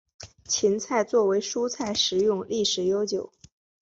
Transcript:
芹菜作为蔬菜食用历史悠久。